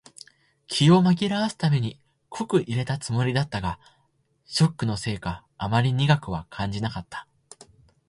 気を紛らわすために濃く淹れたつもりだったが、ショックのせいかあまり苦くは感じなかった。